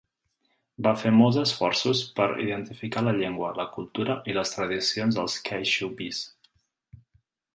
Va fer molts esforços per identificar la llengua, la cultura i les tradicions dels caixubis.